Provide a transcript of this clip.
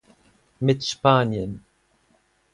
Mit Spanien